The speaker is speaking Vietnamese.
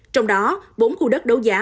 trong đó bốn khu đất đấu giá